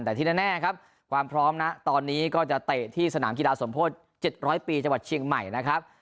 แต่ที่แน่ครับความพร้อมนะตอนนี้ก็จะเตะที่สนามกีฬาสมโพธิ๗๐๐ปีจังหวัดเชียงใหม่นะครับ